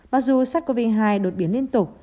mặc dù sars cov hai đột biến liên tục